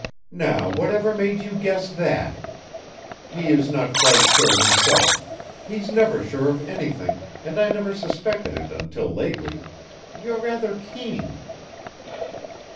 "Now whatever made you guess that? He is not quite sure himself. He's never sure of anything, and I never suspected it until lately you're rather keen."